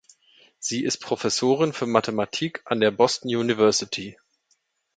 Sie ist Professorin für Mathematik an der Boston University.